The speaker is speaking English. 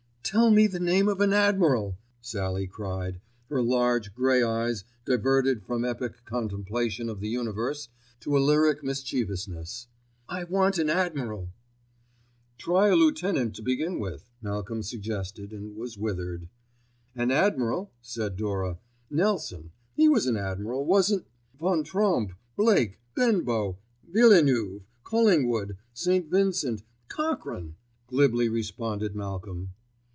"Tell me the name of an admiral," Sallie cried, her large, grey eyes diverted from epic contemplation of the universe to a lyric mischievousness. "I want an admiral." "Try a lieutenant to begin with," Malcolm suggested, and was withered. "An admiral," said Dora. "Nelson; he was an admiral, wasn't——?" "Van Tromp, Blake, Benbow, Villeneuve, Collingwood, St. Vincent, Cochrane——" glibly responded Malcolm.